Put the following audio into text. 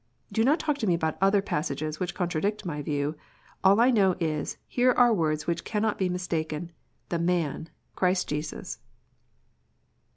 Do not talk to me about other passages which contradict my view. All I know is, here are words which cannot be mistaken, The man, Christ Jesus.